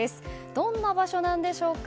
どんな場所なんでしょうか。